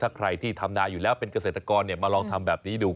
ถ้าใครที่ทำนาอยู่แล้วเป็นเกษตรกรมาลองทำแบบนี้ดู